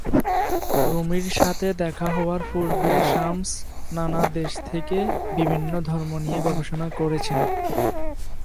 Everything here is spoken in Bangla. রুমির সাথে দেখা হওয়ার পুর্বে শামস নানা দেশ ঘুরে বিভিন্ন ধর্ম নিয়ে গবেষণা করেছেন।